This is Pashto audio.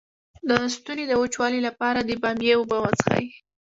د ستوني د وچوالي لپاره د بامیې اوبه وڅښئ